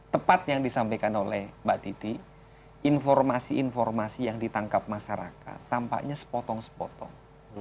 tepat yang disampaikan oleh mbak titi informasi informasi yang ditangkap masyarakat tampaknya sepotong sepotong